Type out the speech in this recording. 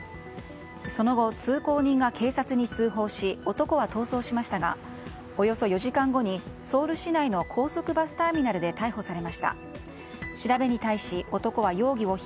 その後、通行人が警察に通報し男は逃走しましたがおよそ４時間後にソウル市内の高速バスターミナルで洗濯の悩み？